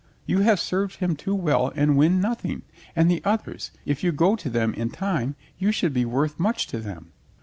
You have served him too well and won nothing. And the others — if you go to them in time, you should be worth much to them."